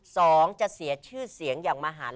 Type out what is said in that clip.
สองจะเสียชื่อเสียงอย่างมหาด